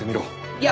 いや！